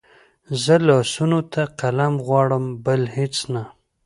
زه لاسونو ته قلم غواړم بل هېڅ نه